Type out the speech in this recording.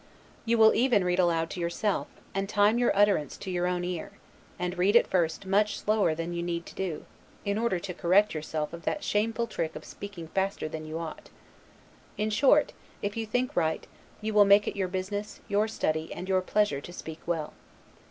You will even read aloud to yourself, and time your utterance to your own ear; and read at first much slower than you need to do, in order to correct yourself of that shameful trick of speaking faster than you ought. In short, if you think right, you will make it your business; your study, and your pleasure to speak well.